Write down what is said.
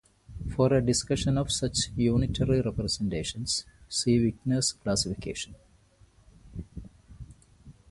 For a discussion of such unitary representations, see Wigner's classification.